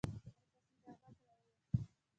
ورپسې دا غږ را ووت.